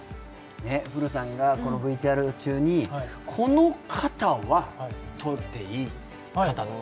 古さんがこのＶＴＲ中に、この肩は、取っていい肩だと。